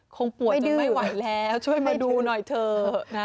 คงป่วยยังไม่ไหวแล้วช่วยมาดูหน่อยเถอะนะ